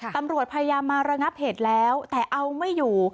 ตำรวจพยายามมาระงับเหตุแล้วแต่เอาไม่อยู่